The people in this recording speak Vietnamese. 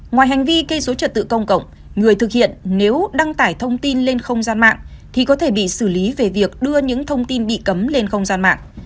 ngoài hành vi gây dối trật tự công cộng người thực hiện nếu đăng tải thông tin lên không gian mạng thì có thể bị xử lý về việc đưa những thông tin bị cấm lên không gian mạng